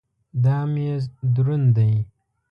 دا مېز دروند دی.